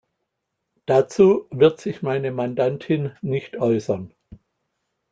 Dazu wird sich meine Mandantin nicht äußern.